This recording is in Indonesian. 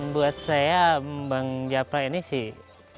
buat saya bang japra ini sih